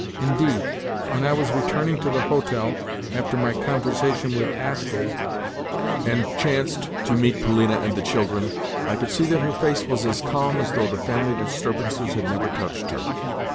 Indeed, when I was returning to the hotel after my conversation with Astley, and chanced to meet Polina and the children, I could see that her face was as calm as though the family disturbances had never touched her.